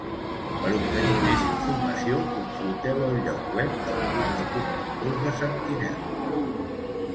Per obtenir més informació, consulteu el lloc web del Club de Conductors de Sentinel.